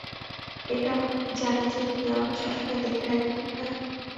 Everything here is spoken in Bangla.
এটাও জানি যে তুমি আমাকে সবসময়ে দেখে রাখবে, ঠিক না?